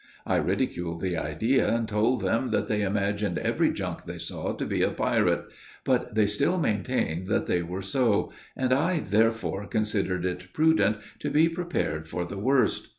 I ridiculed the idea, and told them that they imagined every junk they saw to be a pirate; but they still maintained that they were so, and I therefore considered it prudent to be prepared for the worst.